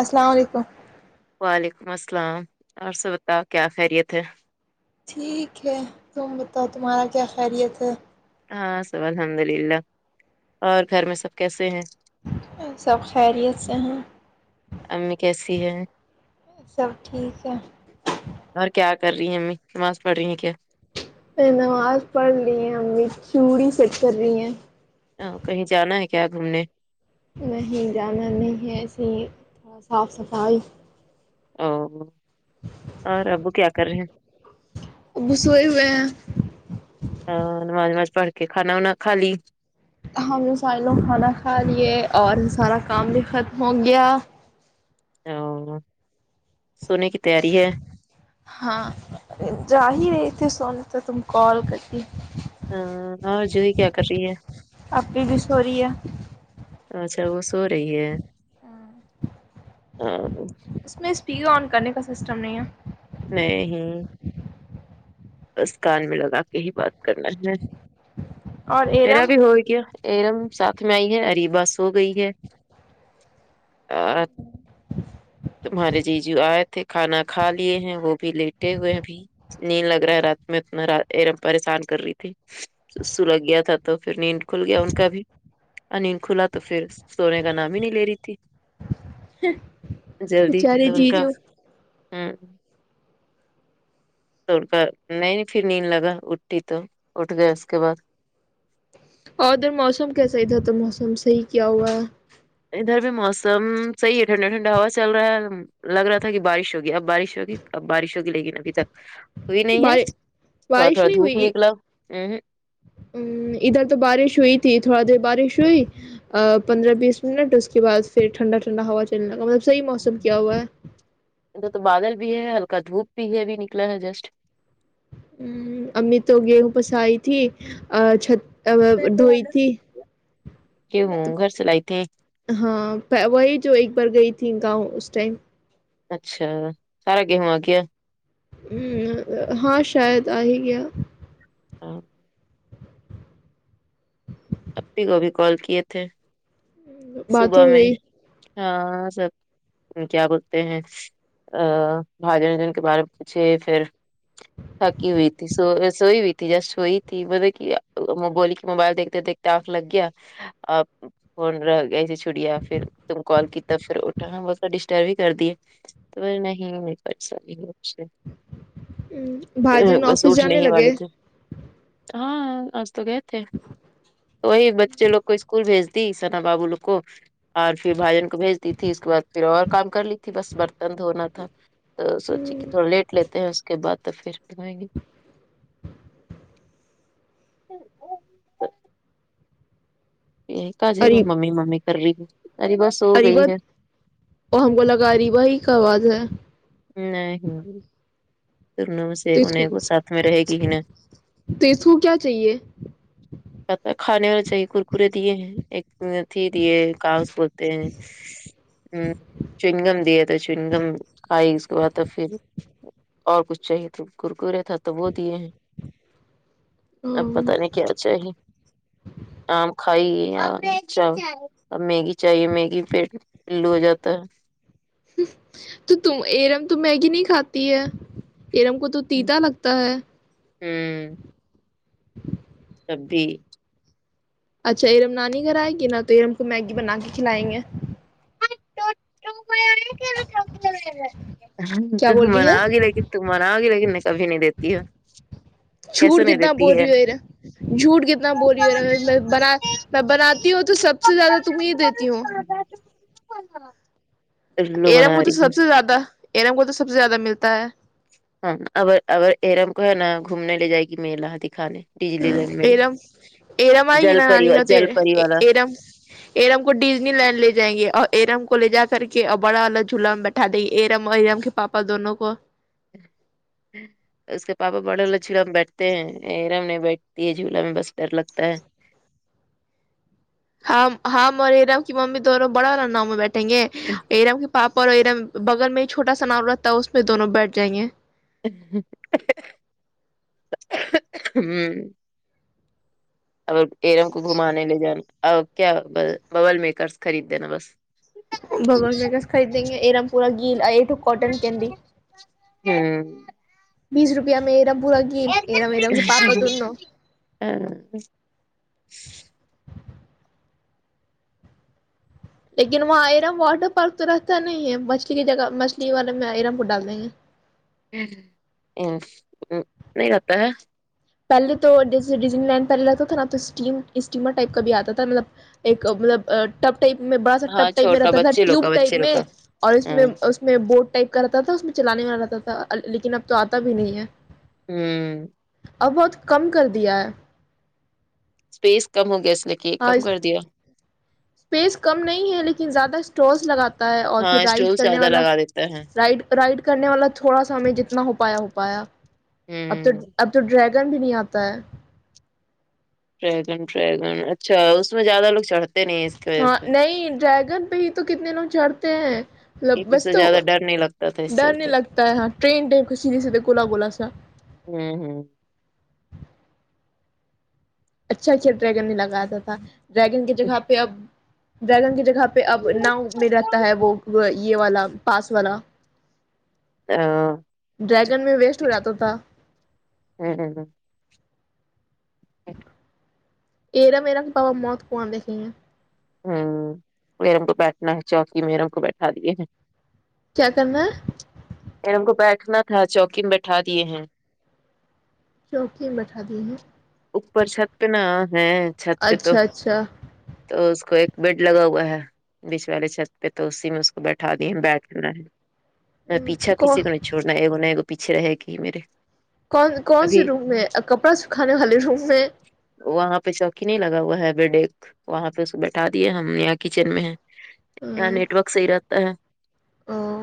السلام علیکم وعلیکم السلام اور سے بتاؤ کیا خیریت ہے ٹھیک ہے تم بتاؤ تمہارا کیا خیریت ہے ہاں سب الحمد للہ اور گھر میں سب کیسے ہیں سب خیریت سے ہیں امی کیسی ہے سب ٹھیک ہے اور کیا کر رہی ہیں امی نماز پڑھ رہی ہیں کیا نہی نماز پڑھ لی ہیں امی چوڑی سیٹ کر رہی ہیں آ کہیں جانا ہے کیا گھومنے نہیں جانا نہیں ہے ایسے ہی تھوڑا صاف صفائی او اور ابو کیا کر رہے ہیں ابو سوئے ہوئے ہیں آ نماز نماز پڑھ کے کھانا وا کھالی ہم نے سارے لوگ کھانا کھا لیے اور سارا کام بھی ختم ہو گیا او سونے کی تیاری ہے ہاں جا ہی رہے تھے سونے تو تم کال کرتی آہ، اور جوہی کیا کر رہی ہے آپ کی کش ہو رہی ہے اچھا وہ سو رہی ہے ٹی وی آن کرنے کا سسٹم نہیں ہے نہیں بس کان میں لگا کے ہی بات کرنا ہے اور میرا ارم بھی ہو گیا ایرم ساتھ میں آئی ہے اریبہ سو گئی ہے اور تمہارے جیجو آئے تھے کھانا کھا لیے ہیں وہ بھی لیٹے ہوئے ہیں بھی نیند لگر رہا اتنا را ایرم پریشان کر رہی تھی سلگ گیا تھا تو پھر نیند کھل گیا ان کا بھی اور نی کھلا تو پھر سونے کا نام ہی نہیں لے رہی تھی جلدی بیچارے تو ان کا جیجو ھم تو پھر نہیں پھر نیند لگا اٹٹی تو اٹھ گیا اس کے بعد اور ادھر موسم کیسا ہی تھا تو موسم صحیح کیا ہوا ہے ادھر بھی موسم صحیح ہے ٹھنڈا ٹھنڈا ہوا چل رہا ہے لگ رہا تھا کہ بارش ہوگی اب بارش ہوگی اب بارش ہوگی لیکن ابھی تک کوئی نہیں ہے بار تھوڑا بارش تھوڑا دھوپ نکلا ہممم ہمم ادھر تو بارش ہوئی تھی تھوڑا دیر بارش ہوئی پندرہ بیس منٹ اس کے بعد پھر ٹھنڈا ٹھنڈا ہوا چلنےگا مطلب صحیح موسم کیا ہوا ہے ادھر تو بادل بھی ہے ہلکا دھوپ بھی ہے بھی نکلا ہے جسٹ ہممم امی تو گیہوں پس آئی تھی چت گہیوں گھرسے لائی تھے ہاں وہی جو ایک بار گئی تھی گاؤں اس ٹائم اچھا سارا گیہوں آگیا ہمم ہاں شاید آ ہی گیا ہاں آپی کو بھی کال کیے تھے بات صبح ہو میں گئی ہاں سب کیا بولتے ہیں ا بھائی جان وجن کے بارے میں پوچھے پھر تھکی ہوئی تھی سو سوئی ہوئی تھی جس سوئی تھی مطلب کہ بولی کے موبائل دیکھتے دیکھتے تاخ لگیا آپ فون رہ گیا گئے تھے چھڑیاپھر تم کال کی تب اٹھا بولتا ڈسٹرب ہی کر دی ہے تو نہیں اکثر ہی گروپ سے بھائی جان بس آفس اٹھنے جانے ہی والے لگے تھے ہاں آج تو گئے تھے تو وہی بچے لوگ کو اسکول بھیج دی سنا بابو لوگ کو اور پھر بھائی جن کو بھیج دی تھی اس کے بعد پھر اور کام کر لی تھی بس برتن دھونا تھا تو سوچی کہ تھوڑا لیٹ لیتے ہیں اس کے بعد تو پھریں گے یہ کا جیرو ممی ممی کر رہی اری بس ہو گئی اریبہ ہے ہم کو لگا اریبہ ہی کا آواز ہے نہیں تم سے تو اس ان کو ساتھ میں رہے گی ہی نا تو اس کو کیا چاہیے کہتا کھانے والے چاہیے ککرے دیے ہیں ایک تھی دیے کاغذ بولتے ہیں ہممم چنگم دیا تو چنگم کھائی اس کے بعد تو پھر اور کچھ چاہیے تو کرکرے تھا تو وہ دیے ہیں اب پتا نہیں کیا چلیے آم کھائیے ا اور میگی چاہیے میگی پیٹ پلو ہو جاتا ہے تو تم ایرم تو میگی نہیں کھاتی ہے ایرم کو تو پیتا لگتا ہے ہوں تب بھی اچھا ایرم نانی اگر آئے گی نا تو ایرم کو میگی بنا کے کھلائیں گے کو آیا کے کیا تم بول رہی ہے مناؤ گی لیکن تم مناؤ گی لیکن میں کبھی نہیں دیتی ہوں چھوٹ کتنا بو رہی ہو یرا جھوٹ کتنا بولی ہو بنا میں بناتی ہوں تو سب سے زیادہ تم ہی دیتی ہوں نا ایرم کو تو سب سے زیادہ ایرم کو تو سب سے زیادہ ملتا ہے ہاں اگر اگر ایرم کو ہے نا گھومنے لے جائے گی میلہ دکھانے ڈجلی ہمم لینڈ میلہ ایرم ایرم آئی گی جل نا پری نانی کا تو جل پری والا ایرم ایرم کو ڈیزنی لینڈ لے جائیں گے اور ایرم کو لے جا کر کے اور بڑا والا جلا اٹھا دیں ایرم اور ایرم کے پاپا دونوں کو اس کے پاپا بڑے والے جھولا میں بیٹھتے ہیں ایرام نہیں بیٹھتی ہے جھولا میں بس ڈر لگتا ہے ہم ہم اور ارام کی ممی دونوں بڑا رن میں بیٹھیں گے ایرام کی پاپا اور ایر بغل میں ایک چوٹا سا ناام رہتا ہے اس میں دونوں بیٹھ جائیں گے ہوں ا ایرم کو گھمانے لے جانا اور کیا ببل میکرس خرید دینا بس بگوان میں گس خریدیں گے ا رام پورا گیل کاٹن کینڈی ہوں بیس روپیہ میں ایرم پورا کی ایرم ایرم کی پاپا دونوں لیکن وہاں آئرم واٹر پارک تو رہتا نہیں ہے مچھلی کی جگہ مچھلی والے میں آئرم کو ڈال دیں گے [unintelligible] پہلے تو ڈیزن وین پہلے لگتا تھا نہ تو اسٹیم اسٹیمر ٹائپ کا بھی آتا تھا مطلب ایک مطلب ٹپ ٹائپ میں بڑا سا ہاں ٹپ ٹائپ میں چھوٹا رہتا تھا بچے لوگ ٹیوب کا ٹائپ بچے لوگ میں کا اور ہ اس میں ہوں اس اس میں بورڈ ٹائپ کا رہتا تھا اس میں چلانے والا رہتا تھا لیکن اب تو آتا بھی نہیں ہے ہوں ا بہت کم کر دیا ہے اسپیس کم ہو گیا اس نے کھل ہاں کم کر دیا اسپیس کم نہیں ہے لیکن زیادہ اسٹس لگاتا ہے اور پھر ہاں رائڈ اسٹول کرنے زیادہ والا لگا دیتا ہے رائڈ رائڈ کرنے والا تھوڑا سا میں جتنا ہو پایا ہو پایا اب تو ہوں اب تو ڈریک گنند نہیں آتا ہے ٹریگن ٹگن اچھا اس میں زیادہ لوگڑھتے ہاں نہیں ڈریگن پہ ہی تو کتنے لوگ جڑتے ہیں ملب کیونکہ اس بس سے تو زیادہ ڈر نہیں لگتا تھا اس ڈر نہیں چلتے لگتا ہے یہاں ٹرین کو سیدے سیدھے گولا گولا سا ہاں ہوں اچھا اچھا ڈریگن نہیں لگااتا تھا ڈریگن کی جگہ پہ اب ڈریگن کی جگہ پہ اب ناؤ میں رہتا ہے وہ یہ والا پاس والا ہاں ڈریگن میں ویسٹ ہو جاتا تھا ہوں ارم ارم کا وہ موت کوواں دیکھیںگے ہوں ارم کو بیٹھنا ہے چوکی میں ارم کو بیٹھا دیے ہیں کیا کرنا ہے ارم کو بیٹھنا تھا چوکی میں بیٹھا دیے ہیں چوکی بیٹھا دی ہیں اوپر چھت پہ نا ہے چھت پہ تو اچھا اچھا تو اس کو ایک بیڈ لگا ہوا ہے بیچ والے چھت پہ تو اسی میں اس کو بیٹھا دیے ہیں بیٹھا ہے میں پیچھا کون کسی کو نہیں چھوڑنا ہےگو نگو پیچھے رہے گی میرے کون کون سے ابھی روم میں کپڑا سکھانے والے روم میں وہاں پہ چوکی نہیں لگا ہوا ہے بیڈ ایک وہاں پہ اس کو بیٹھا دیے ہم نیا کچن میں ہے نیٹ وورک صی رہتاا ہے اور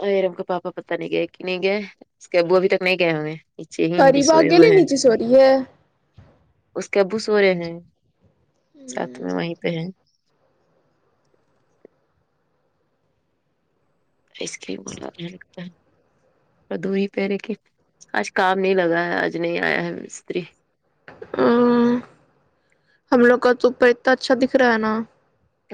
ا ایرم کو پاپا پتتا نہیں گئے کہ نہیں گئے اس کے ابو ابھی تک نہیں گئے ہوں گے اچھی ہیں بھی قریبا سوئے اکیلے ہوئے ہیں نیچے سو رہی ہے اس کے ابو سوورے ہیں ساتھ میں وہیں پہ ہیں آئس کریم وال اھا لگتا ہے اور دوری پہرے کے آج کام نہیں لگا ہے آج نہیں آیا ہے مستری ا ہم لوگ کا تو اوپر اتنا اچھا دکھ رہا ہے نا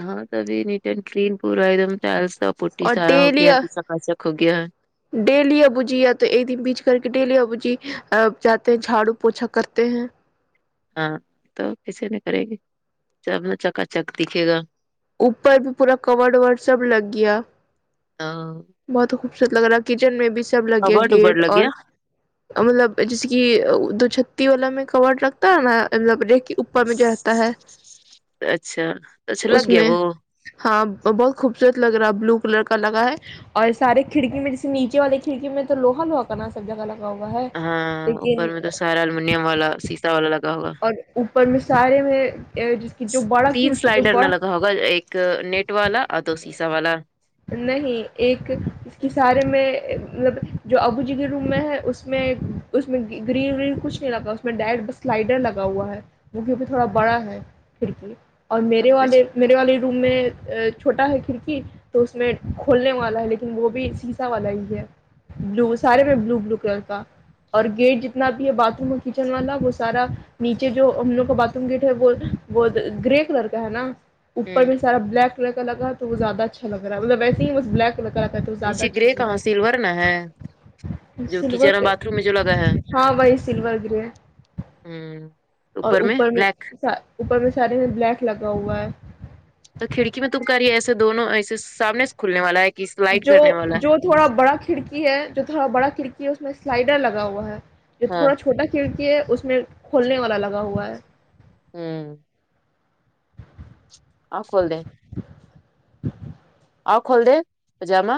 ہاں سبھی نیٹ اینڈ کلین پورا ایک دم چال سا پٹی اور سارا ہو ڈیلی گیا ہے سکاچک ہو گیا ہے ڈیلی ابو جی یا تو ایک دن بیچ کر کے ڈیلی ابو جی جاتے ہیں جھاڑو پوچھا کرتے ہیں ہاں تو کسے نہیں کرے گی جب نا چکا چک دکھے گا اوپر بھی پورا کورور وور سب لگ گیا ہاں بہت خوبصورت لگ رہا کچن میں بھی سب لگیا کبڈ گیٹ ابڈ لگ اور گیا مطلب جیسے کہ دو چھتی والا میں کورڈ رکھتا ہے نا مطلب پر میں ج رہتا ہے اچھا اچھا اس لگ گیا میں وہ ہاں بہت خوبصورت لگ رہا بلو کلر کا لگا ہے اور سارے کھڑکی میں جیسے نیچے والے کھڑکی میں تو لوہا لوا نا سب جگہ لگا ہوا ہے ہاں اوپر لیکن میں تو سارا المنیم والا سیسا والا لگا ہوگا اور اوپر میں سارے میں جس کی جو بڑا تین کھڑکی جو سلائڈر نہ بڑا لگا ایک نیٹ والا اور دو سیسا والا نہیں ایک اس کے سارے میں مطلب جو ابو جی کے روم میں ہے اس میں اس میں گرینری کچھ لگا اس میں ڈائریکٹ بس سلائڈر لگا ہوا ہے وہ کیوں بھی تھوڑا بڑا ہے کھڑکی اور میرے اب والے میرے والے روم میں چھوٹا ہے کھڑکی تو اس میں کھولنے والا ہے لیکن وہ بھی سیسا والا ہی ہے بلو سارے میں بلو بلو کلر کا اور گیٹ جتنا بھی ہے باتھ روم اور کچن والا وہ سارا نیچے جو ہم لوگ کا باتھ روم گیٹ ہے وہ وہ گرے کلر کا ہے نا اوپر ہوں میں سارا بلیک کلر لگا ہے تو وہ زیادہ اچھا لگ رہا ہے مطلب وسے ہی بلیک کلر کرا ہے تو زیادہ نیچے اچھا گرے لگ کہاں رہا سلور نا ہے جو سلور کچن اور کے باتھ روم میں جو لگا ہے ہاں بھائی سلور گرے ہے ہوں اور اوپر میں اوپر میں سارے بلیک لگا ہوا ہے تو کھڑکی میں تم کریے ایسے دونوں ایسے سامنے کھل نے والا ہے سلائڈ جو کرنے والا ہے جو تھوڑا بڑا کھڑکی ہے جو تھوڑا بڑا کھڑکی ہے اس میں سلائڈر لگا ہوا ہے جو ہاں تھوڑا چھوٹا کھڑکی ہے اس میں کھولنے والا لگا ہوا ہے ہوں ا کول دے او کھول دے پجامہ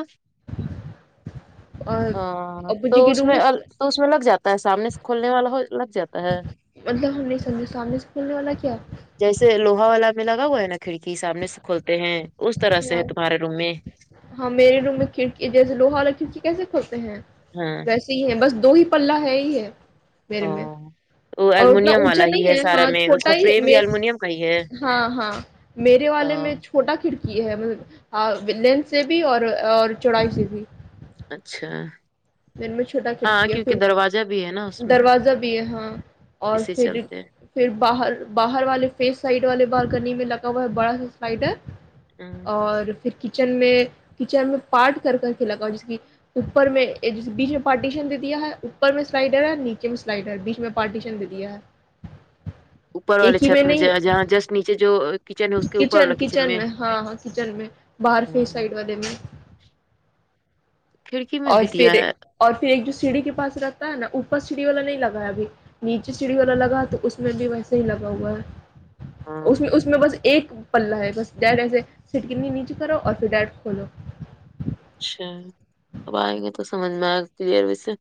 اور ا ابو تو جی کے اس روم میں تو اس میں لگ جاتا ہے سامنے سے کھولنے والا لگ جاتا ہے مطلب ہم نائی سمجھے سامنے سے کھولنے والا کیا جیسے لوہا والا میں لگا ہوا ہے نا کھڑکی سامنے سے کھولتے ہیں اس طرح سے ہے ہاں تمہارے روم میں ہاں میرے روم میں کھڑکی جیسے لوہا والا کھڑکی کیسے کھوتے ہیں ہاں ایسے ہی ہے بس دو ہی پلا ہے ہی ہے میرے او میں وہ اور اتنا المونیم اونچا والا ہی نہیں ہے سارا ہاں میں اس چھوٹا کا ہی فریم بھی میں المونیم کا ہی ہاں ہاں میرے والے ہے میں فھوٹا کھڑکی ہے لینس سے بھی اور چوڑائی سے بھی اچھا میرے میں چھوٹا ہاں کھڑکی ہے کیونکہ پھر دروجہ بھی ہے نا اس میں دروازہ بھی ہے ہاں اور اسی پھر چلتے ہیں پھر باہر باہر والے فیس سائڈ والے بالکنی میں لگا ہوا ہے بڑا سا سائڈ ہے ہاں اور پھر کچن میں کچن میں پارٹ کر کر کے لگاو جس کی اوپر میں یہ جسے بیچ میں پارٹیشن دے دیا ہے اوپر میں سلائڈر ہے نیچے میں سلائڈر ہے بیچ میں پارٹیشن دے دیا ہے اوپر والے ایک ہی چھت میں نہیں ج جہاں جس نیچے جو کچن ہے اس کے اوپر کچن والا کچن میں ہاں ہاں کچن میں باہر ہاں، ف سائڈ والے میں کھڑکی میں اور بھی دیا پھر ہے اور پھر ایک جو سیڑھی کے پاس رتا ہے نا اوپر سیڑھی والا نہیں لگا ہے ابھی نیچے سیڑھی والا لگا تو اس میں بھی ویسا ہی لگا ہوا ہے ہاں، اس میں اس میں بس ایک پلا ہے بس ڈیٹ ایسے سٹک نیچے اچھا اب آئیں گے تو سمجھ میں آئے گا کلیئر ویسے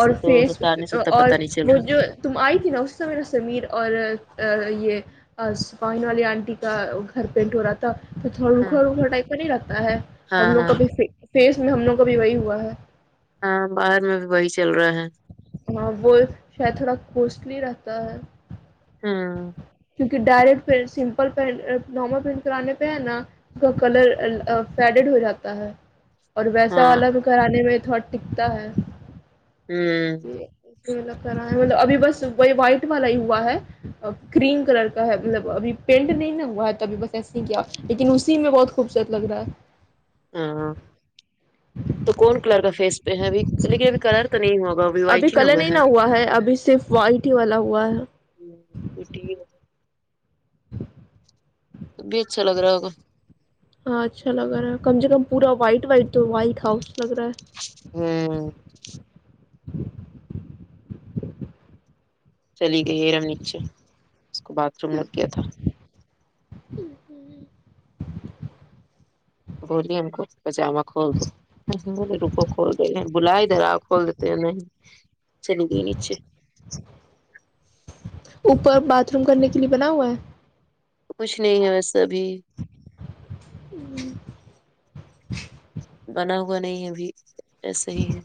اور تو فیس بتا نہیں سکتا اور پتا نہیں چل وہ رہا جو تم آئی تھی نا اس سے میرا سمیر اور اور یہ آ سپاین والی آنٹی کا وہ گھر پینٹ ہو رہا تھا تو تھوڑا ہاں روکھا روکھا ٹائپ کا نہیں لگتا ہے ہم ہاں لوگ ہاں کا بھی فیس میں ہم لوگ کا بھی وہی ہوا ہے ہاں باہر میں بھی وہی چل رہا ہے ہاں وہ شاید تھوڑ کوسلی رہتا ہے ہم کیونکہ direct print simple print normal print کرانے پہ ہے نا کا کلر آ آ فیڈڈ ہو جاتا ہے اور ویسا ہاں والا بھی کرانے میں تھوڑا ٹکتا ہے ہوں اس لیے یے لوگ کرا ہے مطلب ابھی بس وہی واء وائٹ والا ہی ہوا ہے کریم کلر کا ہے مطلب ابھی پینٹ نہیں نا ہوا ہے توب بس ایسے ہی کیا لیکن اسی میں بہت خوبصورت لگ رہا ہے ہاں ہاں تو کون کلر کا فیس پہ ہے ابھی لیکن ابھی کلر تو نہیں ہوگا ا بھی ابھی کلر نہیں نہ ہوا ہے ابھی صرف وائٹ ہی والا ہوا ہے ہ اس [unintelligible] تبھی اچھا لگ رہا ہوگا ہاں اچھا لگ رہا ہے کم سے کم پور وائٹ وائٹ تو وائٹ ہاؤس لگ رہا ہے ہوں چلی گئی ایرم نیچے اس کو باتھ روم لگ گیا تھا ہ ہ [unintelligible] گلیم کول دو پجاما کول دو روپو کھول دو بلا ہی درا کھول دیتے ہیں نہیں [unintelligible] نہیںگ نچے اوپر باتھ روم کرنے کے لیے بنا ہوا ہے کچھ نہیں ہے ویسے ابھی ہوں بنا ہوا نہیں ابھی ایسا ہی ہے